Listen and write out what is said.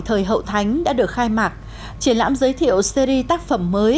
thời hậu thánh đã được khai mạc triển lãm giới thiệu series tác phẩm mới